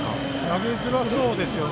投げづらそうですよね。